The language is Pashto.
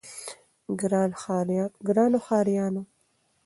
ګرانو ښاريانو!